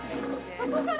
そこから？